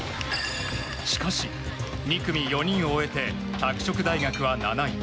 しかし２組４人を終えて拓殖大学は７位。